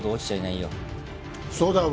そうだよ